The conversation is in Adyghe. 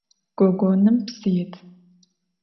Gogonım psı yit.